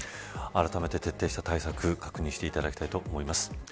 あらためて徹底した対策確認していただきたいと思います。